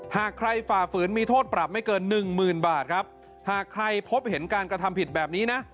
หากใครฝ่าฝืนมีโทษปรับไม่เกินหนึ่งหมื่นบาทครับหากใครพบเห็นการกระทำผิดแบบนี้นะ